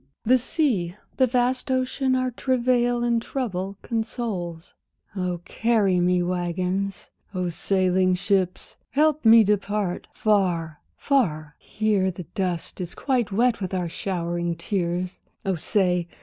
The sea, the vast ocean our travail and trouble consoles! Oh, carry me, waggons, oh, sailing ships, help me depart! Far, far, here the dust is quite wet with our showering tears, Oh, say!